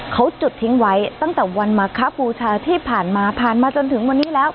เขาจุดทิ้งไว้ตั้งแต่วันมาคบูชาที่ผ่านมาผ่านมาจนถึงวันนี้แล้ว